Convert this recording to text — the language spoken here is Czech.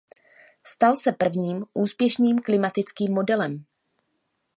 Stal se prvním úspěšným klimatickým modelem.